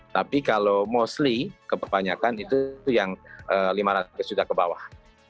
tapi kalau mostly kebanyakan itu yang lima ratus juta ke bawah